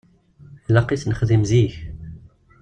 Ilaq i t-nexdim zik.